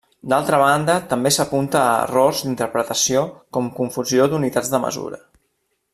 D'altra banda també s'apunta a errors d'interpretació com confusió d'unitats de mesura.